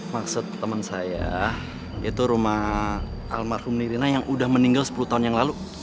maksud teman saya itu rumah almarhum nirina yang udah meninggal sepuluh tahun yang lalu